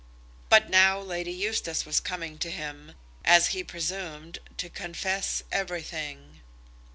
But now Lady Eustace was coming to him, as he presumed, to confess everything.